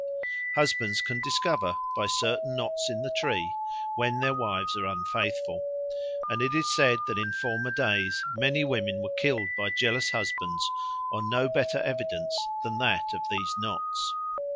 Husbands can discover, by certain knots in the tree, when the wives are unfaithful; and it is said that in former days many women were killed by jealous husbands on no better evidence than that of these knots.